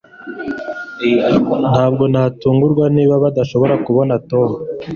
Ntabwo natungurwa niba badashobora kubona Tom